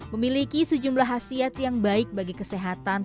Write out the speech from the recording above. memiliki sejumlah khasiat yang baik bagi kesehatan